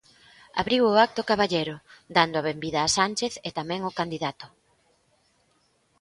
Abriu o acto Caballero dando a benvida a Sánchez e tamén o candidato.